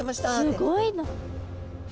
すごいな。